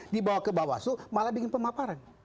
dibawa ke bawaslu malah bikin pemaparan